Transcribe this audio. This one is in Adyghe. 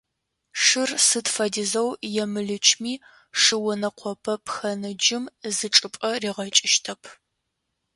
Шыр сыд фэдизэу емылычми шы онэкъопэ пхэныджым зы чӏыпӏэ ригъэкӏыщтэп.